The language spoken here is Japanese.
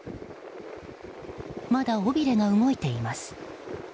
まだ尾びれが動いています。